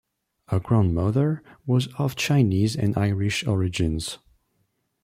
Her grandmother was of Chinese and Irish origins.